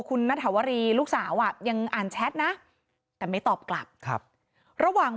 คุณณฐาวรีลูกสาวอ่ะยังอ่านแชทนะแต่ไม่ตอบกลับครับระหว่าง